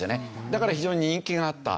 だから非常に人気があった。